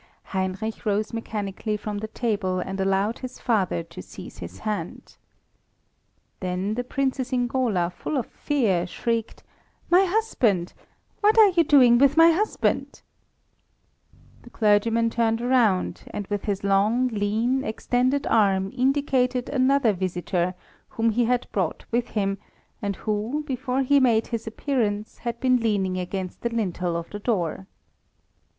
Heinrich rose mechanically from the table and allowed his father to seize his hand. Then the Princess Ingola, full of fear, shrieked: "My husband! What are you doing with my husband?" The clergyman turned round, and with his long, lean, extended arm indicated another visitor whom he had brought with him; and who, before he made his appearance, had been leaning against the lintel of the door.